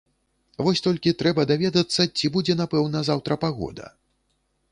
Вось толькі трэба даведацца, ці будзе напэўна заўтра пагода.